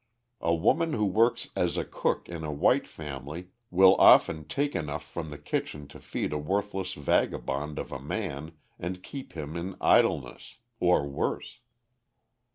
A woman who works as a cook in a white family will often take enough from the kitchen to feed a worthless vagabond of a man and keep him in idleness or worse.